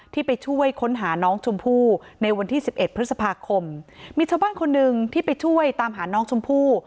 ที่ไปช่วยค้นหาน้องชมพู่ในวันที่สิบเอ็ดพฤษภาคมมีชาวบ้านคนหนึ่งที่ไปช่วยตามหาน้องชมพู่